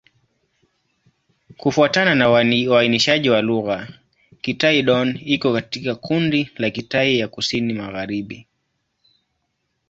Kufuatana na uainishaji wa lugha, Kitai-Dón iko katika kundi la Kitai ya Kusini-Magharibi.